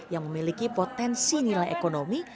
yang memiliki potensi nilai ekonomi